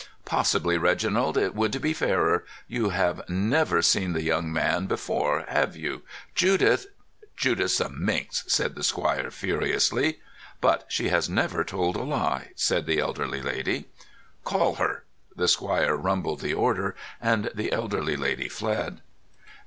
"Possibly, Reginald, it would be fairer. You have never seen the young man before, have you? Judith——" "Judith's a minx!" said the squire furiously. "But she has never told a lie," said the elderly lady. "Call her!" The squire rumbled the order, and the elderly lady fled.